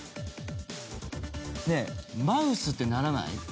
ねぇマウスってならない？